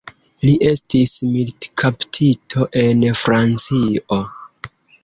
Li estis militkaptito en Francio.